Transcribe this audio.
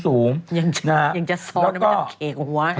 ยังจะซ้อนไม่ต้องทำเคกไว้แล้วก็